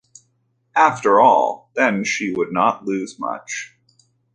After all, then, she would not lose much.